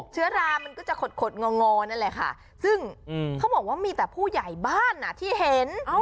เชื้อรามันก็จะขดงองอนั่นแหละค่ะซึ่งเขาบอกว่ามีแต่ผู้ใหญ่บ้านที่เห็น